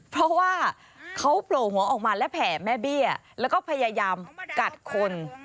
เพราะว่าเขาโผล่หัวออกมาและแผ่แม่เบี้ยแล้วก็พยายามกัดคน